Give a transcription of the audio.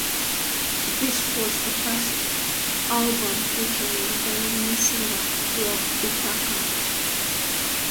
This was the first album featuring their new singer, Rob Vitacca.